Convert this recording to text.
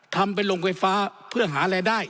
ทำเป็นโรงไฟฟ้าเพื่อหารายได้